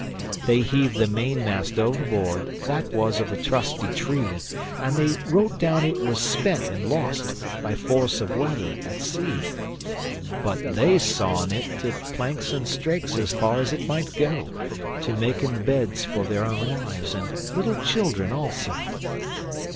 They heaved the main mast overboard, that was of a trusty tree, And they wrote down it was spent and lost by force of weather at sea. But they sawen it into planks and strakes as far as it might go, To maken beds for their own wives and little children also.